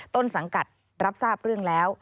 ต้นสังกัดรับทราบเรื่องแล้ว